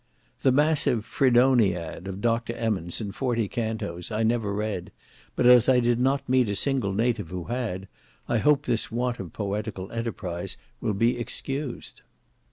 The massive Fredoniad of Dr. Emmons, in forty cantos, I never read; but as I did not meet a single native who had, I hope this want of poetical enterprise will be excused.